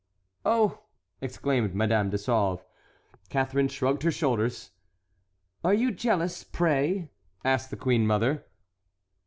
"Oh!" exclaimed Madame de Sauve. Catharine shrugged her shoulders. "Are you jealous, pray?" asked the queen mother.